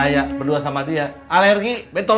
karena rumah saya kan agak jauh